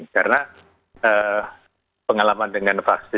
karena pengalaman dengan vaksin